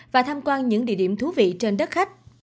và tham quan những địa điểm thú vị trên đất khách